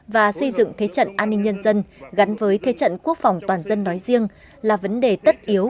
và xây dựng thế trận an ninh nhân dân gắn với thế trận quốc phòng toàn dân nói riêng là vấn đề tất yếu